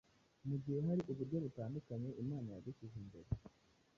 mu gihe hari uburyo butandukanye Imana yagushyize imbere.